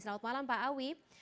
selamat malam pak awi